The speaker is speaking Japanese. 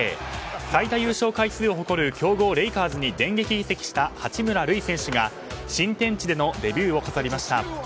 最多優勝回数を誇る強豪レイカーズに電撃移籍した八村塁選手が新天地でのデビューを飾りました。